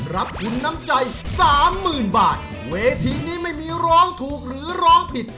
รับทุนน้ำใจสามหมื่นบาทเวทีนี้ไม่มีร้องถูกหรือร้องผิด